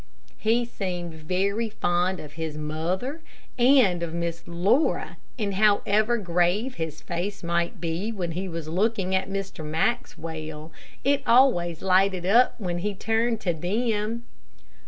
He seemed very fond of his mother and of Miss Laura, and however grave his face might be when he was looking at Mr. Maxwell, it always lighted up when he turned to them.